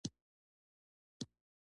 د ایمان ځواک د زړه زړورتیا ده.